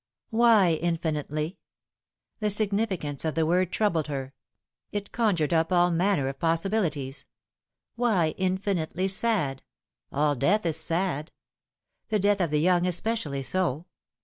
Why infinitely? The significance of the word troubled her. It conjured up all manner of possibilities. Why infinitely sad ?" All death is sad. The death of the young especially so.